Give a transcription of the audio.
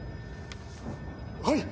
はい！